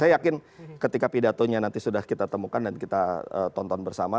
saya yakin ketika pidatonya nanti sudah kita temukan dan kita tonton bersama